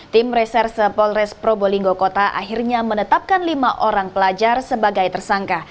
tim reserse polres probolinggo kota akhirnya menetapkan lima orang pelajar sebagai tersangka